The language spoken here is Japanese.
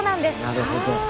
なるほど！